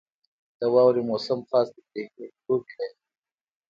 • د واورې موسم خاص تفریحي لوبې لري.